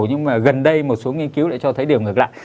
nhưng mà gần đây một số nghiên cứu lại cho thấy điểm ngược lại